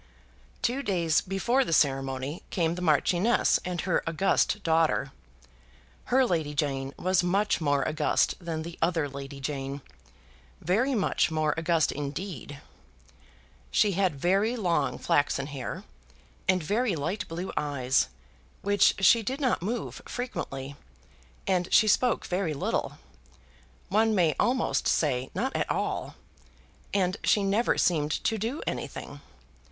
Two days before the ceremony came the Marchioness and her august daughter. Her Lady Jane was much more august than the other Lady Jane; very much more august indeed. She had very long flaxen hair, and very light blue eyes, which she did not move frequently, and she spoke very little, one may almost say not at all, and she never seemed to do anything.